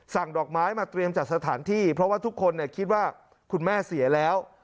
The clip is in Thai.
ดอกไม้มาเตรียมจัดสถานที่เพราะว่าทุกคนคิดว่าคุณแม่เสียแล้ว